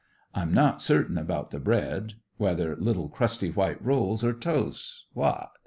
I'm not certain about the bread whether little crusty white rolls or toast. What?